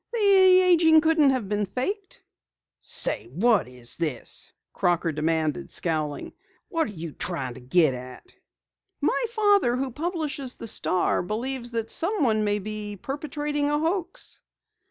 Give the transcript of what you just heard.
"The aging couldn't have been faked?" "Say, what is this?" Crocker demanded, scowling. "What are you trying to get at?" "My father, who publishes the Star, believes that someone may be perpetrating a hoax."